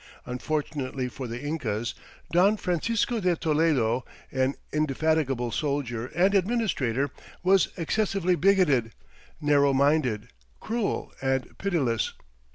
Unfortunately for the Incas, Don Francisco de Toledo, an indefatigable soldier and administrator, was excessively bigoted, narrow minded, cruel, and pitiless.